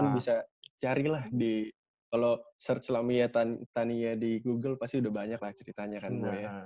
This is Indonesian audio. bisa carilah di kalau search lamia tania di google pasti udah banyak lah ceritanya kan bu ya